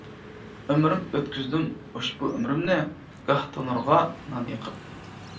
ئۆمرۈم ئۆتكۈزدۈم ئۇشبۇ ئۆمرۈمنى، گاھ تونۇرغا نان يېقىپ.